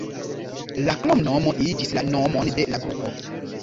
La kromnomo iĝis la nomon de la grupo.